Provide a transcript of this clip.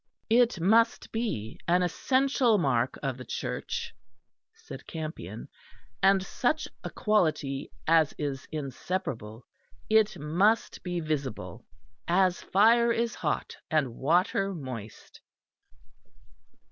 "It must be an essential mark of the Church," said Campion, "and such a quality as is inseparable. It must be visible, as fire is hot, and water moist."